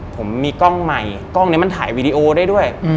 ผมมีกล้องใหม่กล้องนี้มันถ่ายวีดีโอได้ด้วย